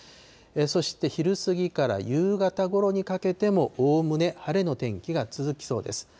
そして昼過ぎから夕方ごろにかけてもおおむね晴れの天気が続きそうです。